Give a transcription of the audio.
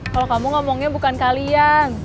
kalau kamu ngomongnya bukan kalian